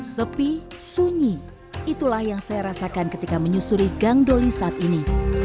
sepi sunyi itulah yang saya rasakan ketika menyusuri gang doli saat ini